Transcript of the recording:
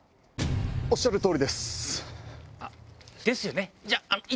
⁉おっしゃる通りです。ですよね。